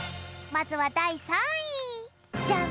まずはだい３位ジャン！